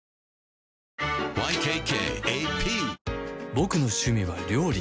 ボクの趣味は料理